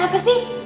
ih kenapa sih